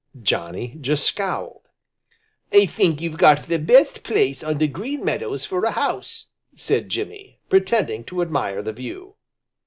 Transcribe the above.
Johnny just scowled. "I think you've got the best place on the Green Meadows for a house," said Jimmy, pretending to admire the view.